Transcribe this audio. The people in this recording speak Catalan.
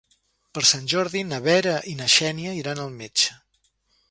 Per Sant Jordi na Vera i na Xènia iran al metge.